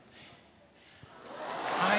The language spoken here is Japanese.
はい。